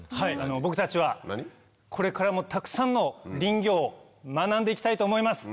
僕たちはこれからもたくさんの林業を学んで行きたいと思います。